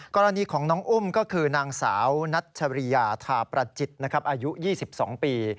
กรณีของน้องอุ้มก็คือนางสาวนัชริยาทาประจิตอายุ๒๒ปี